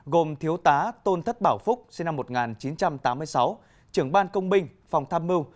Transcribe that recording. gồm thiếu tá tôn thất bảo phúc sinh năm một nghìn chín trăm tám mươi sáu trưởng ban công binh phòng tham mưu